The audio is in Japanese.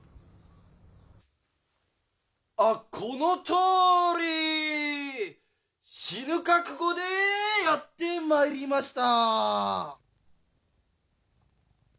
あっこのとおり死ぬ覚悟でやってまいりました。